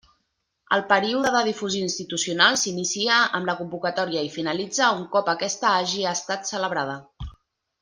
El període de difusió institucional s'inicia amb la convocatòria i finalitza un cop aquesta hagi estat celebrada.